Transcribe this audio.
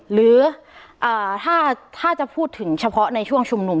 หรือถ้าจะพูดถึงเฉพาะในช่วงชุมนุม